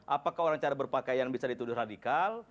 apakah orang cara berpakaian bisa dituduh radikal